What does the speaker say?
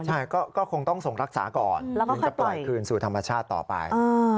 ใช่ก็คงต้องส่งรักษาก่อนถึงจะปล่อยคืนสู่ธรรมชาติต่อไป